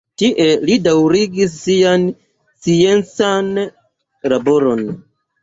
Tie li daŭrigis sian sciencan laboron.